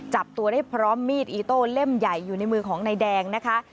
จับตัวได้พร้อมมีดอีโต้เล่มใหญ่อยู่ในมือของนายแดงนะคะ